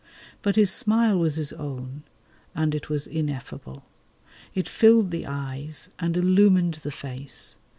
But his smile was his own, and it was ineffable. It filled the eyes, and illumined the face.